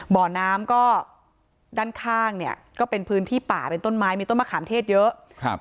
บ่อน้ำก็ด้านข้างเนี่ยก็เป็นพื้นที่ป่าเป็นต้นไม้มีต้นมะขามเทศเยอะครับ